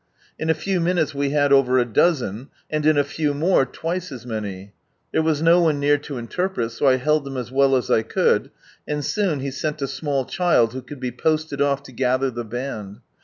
In a few minutes we had over a dozen, and in a few more, twice as many. There was no one near to interpret, so I held them as well as 1 could, and soon He sent a small child who could be posted off to gather the band.